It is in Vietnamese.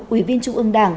uy viên trung ương đảng